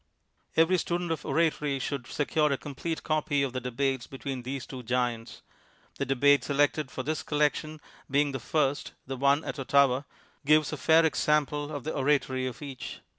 Every student of oratory should secure a com plete copy of the debates between these two giants. The debate selected for this collection being the first (the one at Ottawa), gives a fair example of the oratory of each.